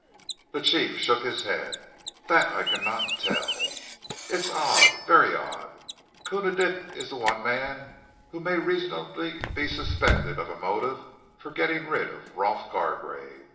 The chief shook his head. "Dat I cannot tell." "It's odd, very odd! Koona Dick is the one man who may reasonably be suspected of a motive for getting rid of Rolf Gargrave.